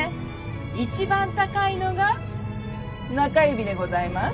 一番高いのが中指でございます。